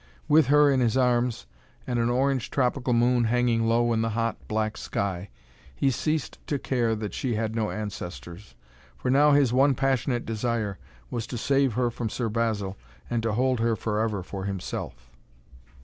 With her in his arms and an orange tropical moon hanging low in the hot, black sky, he ceased to care that she had no ancestors, for now his one passionate desire was to save her from Sir Basil and to hold her forever for himself.